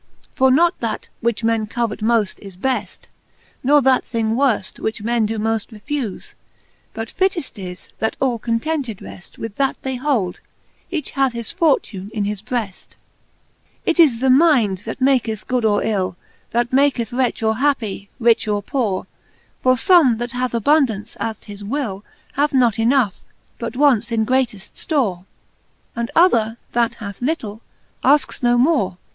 For not that, which men covet moft, is beft ; Nor that thing worft, which men do moft refufe ; But fitteft is, that all contented reft With that they hold : each hath his fortune in his breft. XXX. It Canto IX, the Faerie S^ueefie, 345 XXX. It is the mynd, that maketh good or ill, That maketh wretch or happie, rich or poore : For fome, that hath abundance at his will, Hath not enough, but wants in greateft ftore ; And other, that hath litle, afkes no more.